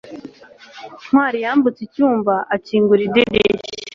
ntwali yambutse icyumba akingura idirishya